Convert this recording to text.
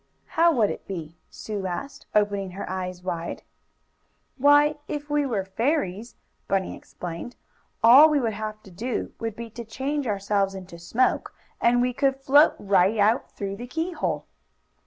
"How would it be?" Sue asked, opening her eyes wide. "Why, if we were fairies," Bunny explained, "all we would have to do would be to change ourselves into smoke and we could float right out through the keyhole."